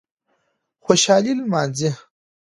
خوشالي نمانځي